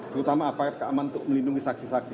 terutama aparat keamanan untuk melindungi saksi saksi